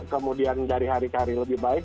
kemudian dari hari ke hari lebih baik